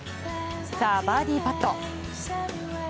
さあ、バーディーパット。